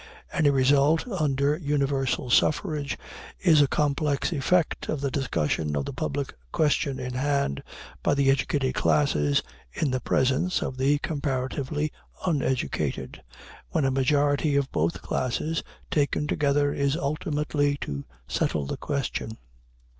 Any result under universal suffrage is a complex effect of the discussion of the public question in hand by the educated classes in the presence of the comparatively uneducated, when a majority of both classes taken together is ultimately to settle the question.